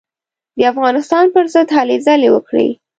د افغانستان پر ضد هلې ځلې وکړې.